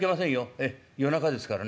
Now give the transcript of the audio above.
ええ夜中ですからね。